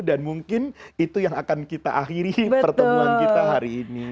dan mungkin itu yang akan kita akhiri pertemuan kita hari ini